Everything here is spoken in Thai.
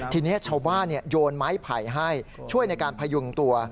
ทีนี้ชาวบ้านโยนไม้ไผ่ให้ช่วยในการพยุงตัว